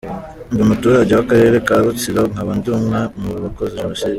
Ndi umuturage w’Akarere ka Rutsiro nkaba ndi umwe mu bakoze Jenoside.